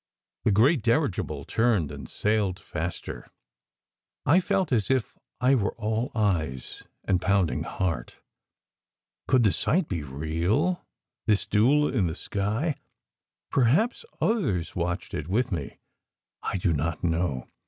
The great dirigible turned and sailed faster. I felt as if I were all eyes and pounding heart. Could the sight be real, this duel in the sky? Perhaps others watched it with me I do not know.